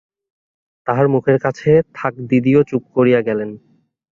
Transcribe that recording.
তাহার মুখের কাছে থাকদিদিও চুপ করিয়া গেলেন।